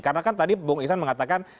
karena kan tadi bung eksan mengatakan